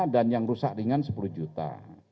dan yang rusak ringan sepuluh juta